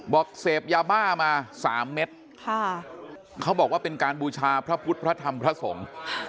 เสพยาบ้ามา๓เม็ดเขาบอกว่าเป็นการบูชาพระพุทธพระธรรมพระสงฆ์